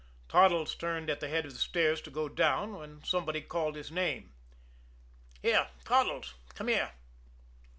Toddles turned at the head of the stairs to go down, when somebody called his name. "Here Toddles! Come here!"